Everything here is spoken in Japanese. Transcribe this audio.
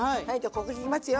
ここ行きますよ。